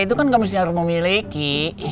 itu kan gak harus diharu memiliki